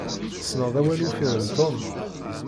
Tessneḍ awal uffir n Tom?